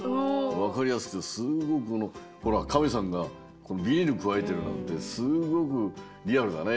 わかりやすくてすごくこのほらかめさんがビニールくわえてるなんてすごくリアルだね。